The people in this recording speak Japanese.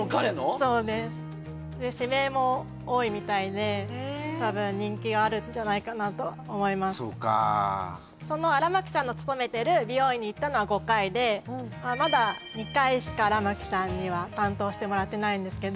そうです指名も多いみたいで多分人気があるんじゃないかなと思いますそうかその荒牧さんの勤めてる美容院に行ったのは５回でまだ２回しか荒牧さんには担当してもらってないんですけど